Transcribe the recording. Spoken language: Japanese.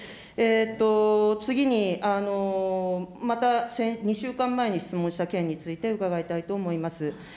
次に、また２週間前に質問した件について伺いたいと思います。